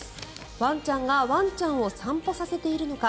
ワンちゃんがワンちゃんを散歩させているのか。